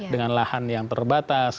dengan lahan yang terbatas